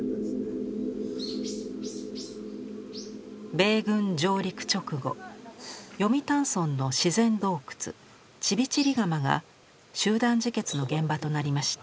米軍上陸直後読谷村の自然洞窟チビチリガマが集団自決の現場となりました。